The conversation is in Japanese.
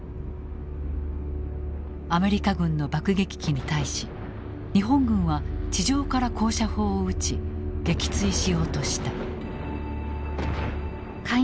アメリカ軍の爆撃機に対し日本軍は地上から高射砲を撃ち撃墜しようとした。